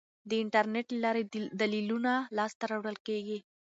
د انټرنیټ له لارې دلیلونه لاسته راوړل کیږي.